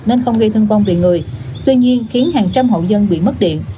nên không gây thương vong về người tuy nhiên khiến hàng trăm hậu dân bị mất điện